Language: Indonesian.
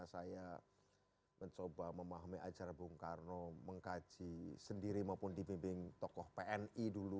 hai saya mencoba memahami ajar bung karno mengkaji sendiri maupun dibimbing tokoh pni dulu